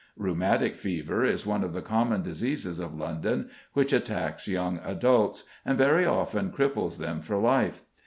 Rheumatic fever is one of the common diseases of London, which attacks young adults, and very often cripples them for life.